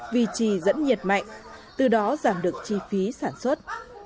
vì trì dẫn nhiệt mạnh từ đó giảm được chi phí sản xuất